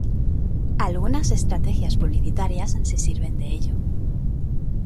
Algunas estrategias publicitarias se sirven de ello.